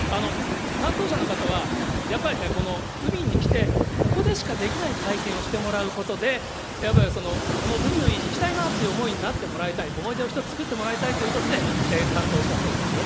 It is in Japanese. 担当者の方、やっぱりね、海に来て、ここでしかできない体験をしてもらうことで、やっぱりこの海の家に行きたいなという思いになってもらいたい、思い出を一つ作ってもらいたいということで、担当したそうですよ。